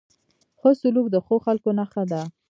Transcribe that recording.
ښه سلوک د ښو خلکو نښه ده.